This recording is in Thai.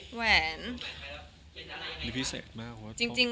จะรักเธอเพียงคนเดียว